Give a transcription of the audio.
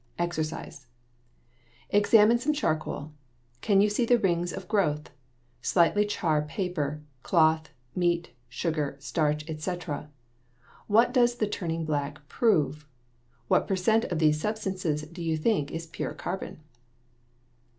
=EXERCISE= Examine some charcoal. Can you see the rings of growth? Slightly char paper, cloth, meat, sugar, starch, etc. What does the turning black prove? What per cent of these substances do you think is pure carbon?